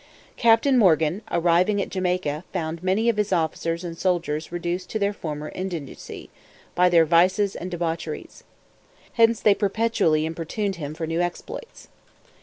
Captain Morgan arriving at Jamaica, found many of his officers and soldiers reduced to their former indigency, by their vices and debaucheries. Hence they perpetually importuned him for new exploits.